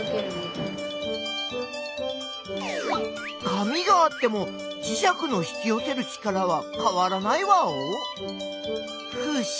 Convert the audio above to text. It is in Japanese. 紙があってもじしゃくの引きよせる力はかわらないワオ？